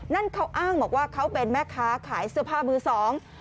นั่นเขาอ้างบอกว่าเขาเป็นแม่ค้าขายเสื้อผ้ามือสอง